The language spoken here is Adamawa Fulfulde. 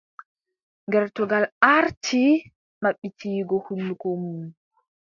Gertogal aarti maɓɓititgo hunnduko mun.